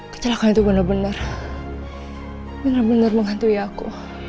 kecelakaan itu benar benar benar benar menghantui aku